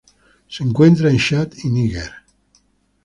Se encuentra en Chad y Níger.